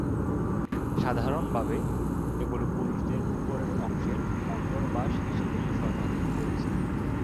সাধারণভাবে এগুলো পুরুষদের উপরের অংশের অন্তর্বাস হিসেবেই সর্বাধিক পরিচিত।